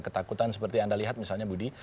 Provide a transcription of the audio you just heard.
ketakutan seperti anda lihat misalnya budi